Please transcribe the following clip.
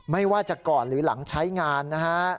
ไม่ว่าจะก่อนหรือหลังใช้งานนะฮะ